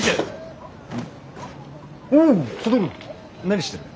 何してる？